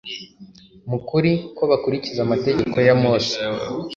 mu kuri, ko bakurikiza amategeko ya mose